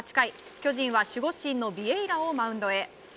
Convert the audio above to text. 巨人は守護神のビエイラをマウンドへ。